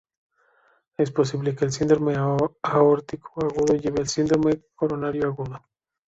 Es posible que el síndrome aórtico agudo lleve al síndrome coronario agudo.